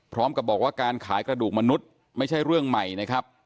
พร้อมกับบอกว่าการขายกระดูกมนุษย์ไม่ใช่เรื่องใหม่นะครับ